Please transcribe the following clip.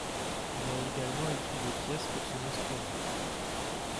Il a également écrit des pièces pour son instrument.